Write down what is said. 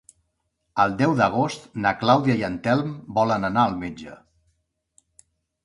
El deu d'agost na Clàudia i en Telm volen anar al metge.